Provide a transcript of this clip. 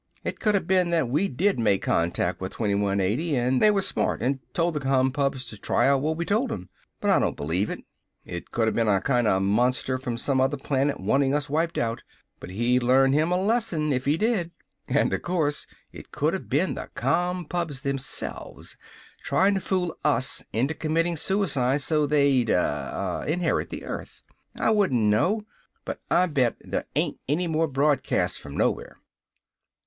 "It coulda been that we did make contact with 2180, and they were smart an' told the Compubs to try out what we told 'em. But I don't believe it. It coulda been a kinda monster from some other planet wanting us wiped out. But he learned him a lesson, if he did! And o' course, it coulda been the Compubs themselves, trying to fool us into committing suicide so they'd uh inherit the earth. I wouldn't know! But I bet there ain't any more broadcasts from nowhere!"